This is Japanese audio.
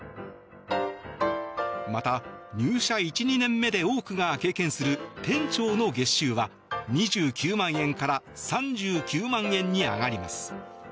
また、入社１２年目で多くが経験する店長の月収は２９万円から３９万円に上がります。